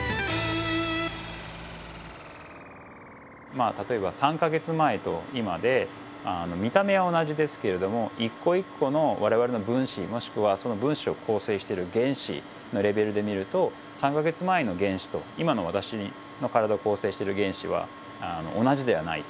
まあ例えば３か月前と今で見た目は同じですけれども一個一個の我々の分子もしくはその分子を構成している原子のレベルで見ると３か月前の原子と今の私の体を構成している原子は同じではない。